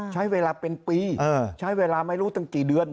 ใช้เวลาเป็นปีใช้เวลาไม่รู้ตั้งกี่เดือน